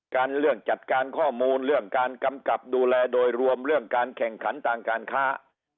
เรื่องจัดการข้อมูลเรื่องการกำกับดูแลโดยรวมเรื่องการแข่งขันต่างการค้า